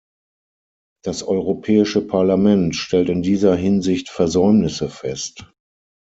Das Europäische Parlament stellt in dieser Hinsicht Versäumnisse fest.